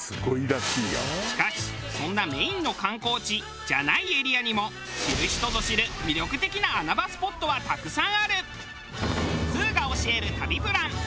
しかしそんなメインの観光地じゃないエリアにも知る人ぞ知る魅力的な穴場スポットはたくさんある。